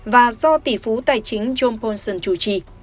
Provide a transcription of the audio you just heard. và do tỷ phú tài chính john polson chủ trì